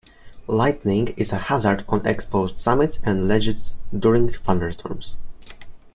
Lightning is a hazard on exposed summits and ledges during thunderstorms.